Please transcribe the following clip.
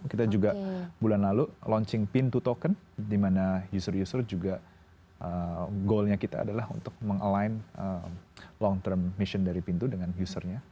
kita juga bulan lalu launching pintu token di mana user user juga goalnya kita adalah untuk meng align long term mission dari pintu dengan usernya